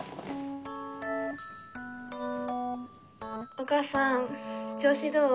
お母さん調子どう？